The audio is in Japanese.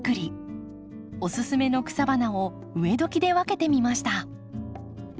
おすすめの草花を植えどきで分けてみました。